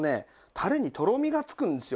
たれにとろみがつくんですよ。